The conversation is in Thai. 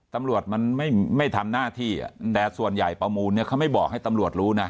ตำรวจมันไม่ทำหน้าที่แต่ส่วนใหญ่ประมูลเนี่ยเขาไม่บอกให้ตำรวจรู้นะ